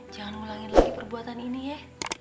jangan ulangin lagi perbuatan ini ya